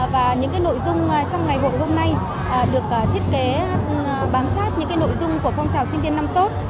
và những nội dung trong ngày hội hôm nay được thiết kế bám sát những nội dung của phong trào sinh viên năm tốt